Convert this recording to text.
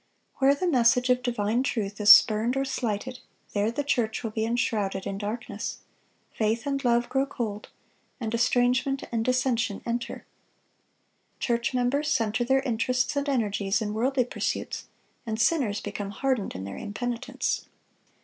Where the message of divine truth is spurned or slighted, there the church will be enshrouded in darkness; faith and love grow cold, and estrangement and dissension enter. Church members center their interests and energies in worldly pursuits, and sinners become hardened in their impenitence.